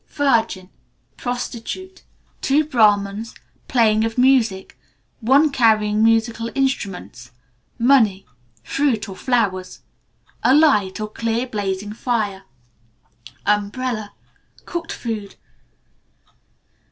Virgin. Prostitute. Two Brahmans. Playing of music. One carrying musical instruments. Money. Fruit or flowers. A light, or clear blazing fire. Umbrella. Cooked food.